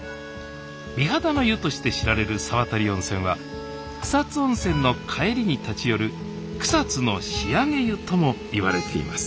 美肌の湯として知られる沢渡温泉は草津温泉の帰りに立ち寄る「草津の仕上げ湯」ともいわれています